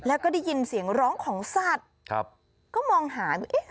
แล้วก็ได้ยินเสียงร้องของสัตว์ครับก็มองหาดูเอ๊ะ